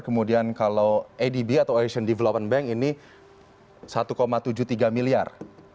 kemudian kalau adb atau asian development bank ini satu tujuh puluh tiga miliar